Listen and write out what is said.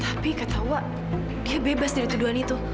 tapi ketawa dia bebas dari tuduhan itu